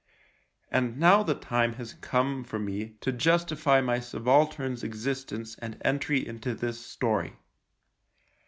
And now the time has come for me to justify my subaltern's existence and entry into this story.